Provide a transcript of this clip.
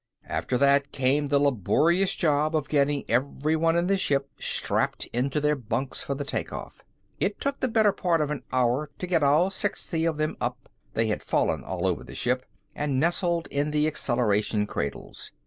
After that came the laborious job of getting everyone in the ship strapped into their bunks for the takeoff. It took the better part of an hour to get all sixty of them up they had fallen all over the ship and nestled in the acceleration cradles.